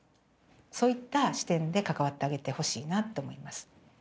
そういった視点で関わってあげてほしいなと思います。